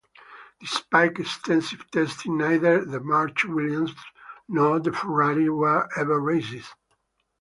Despite extensive testing, neither the March, Williams, nor the Ferrari, were ever raced.